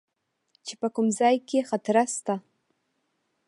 چې په کوم ځاى کښې خطره سته.